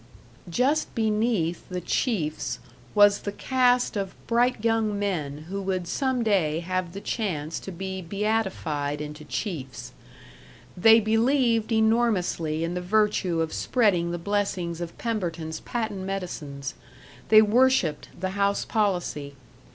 Just beneath the chiefs was the caste of bright young men who would some day have the chance to be beatified into chiefs. They believed enormously in the virtue of spreading the blessings of Pemberton's patent medicines; they worshiped the house policy.